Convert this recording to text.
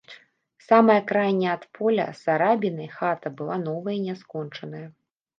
Самая крайняя ад поля з арабінай хата была новая і няскончаная.